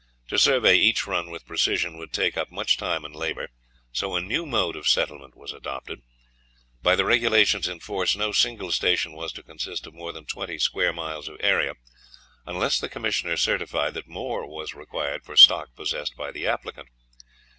To survey each run with precision would take up much time and labour, so a new mode of settlement was adopted. By the regulations in force no single station was to consist of more than twenty square miles of area, unless the commissioner certified that more was required for stock possessed by applicant.